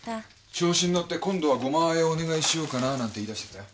調子に乗って「今度はごまあえをお願いしようかな」なんて言いだしてたよ。